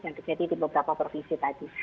yang terjadi di beberapa provinsi tadi